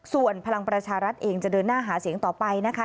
ส่วนพลังประชารัฐเองจะเดินหน้าหาเสียงต่อไปนะคะ